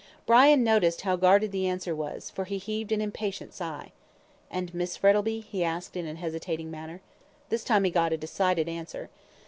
Brian noticed how guarded the answer was, for he heaved an impatient sigh. "And Miss Frettlby?" he asked, in a hesitating manner. This time he got a decided answer.